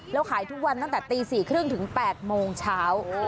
แล้วขายทุกวันตั้งแต่ตี๔๓๐ถึง๘โมงเช้า